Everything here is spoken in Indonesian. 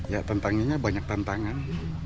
ya tantangannya banyak tantangan